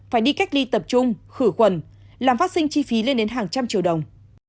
phải đi cách ly tập trung khử khuẩn làm phát sinh chi phí lên đến hàng trăm triệu đồng